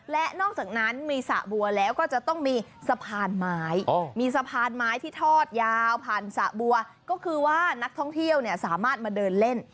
และนอกจากนั้นมีสระบัวแล้วก็จะต้องมีสะพานไม้มีสะพานไม้ที่ทอดยาวผ่านสระบัวก็คือว่านักท่องเที่ยวเนี่ยสามารถมาเดินเล่น